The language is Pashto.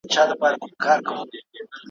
ډوډۍ که پردۍ وه ګیډه خو دي خپله وه `